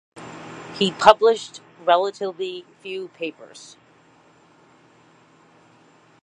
He published relatively few papers.